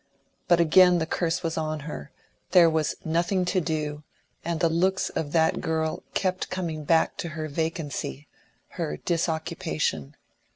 But again the curse was on her; there was nothing to do; and the looks of that girl kept coming back to her vacancy, her disoccupation.